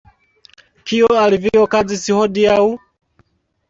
Kio al vi okazis hodiaŭ?